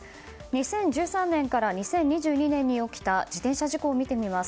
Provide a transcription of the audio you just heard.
２０１３年から２０２２年に起きた自転車事故を見てみます。